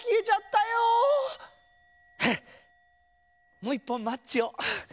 もう１ぽんマッチを。